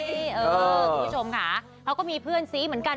คุณผู้ชมค่ะเขาก็มีเพื่อนซี้เหมือนกัน